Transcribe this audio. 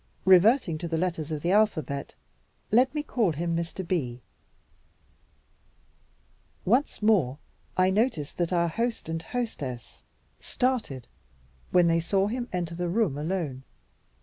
Reverting to the letters of the alphabet, let me call him Mr. B. Once more, I noticed that our host and hostess started when they saw him enter the room alone.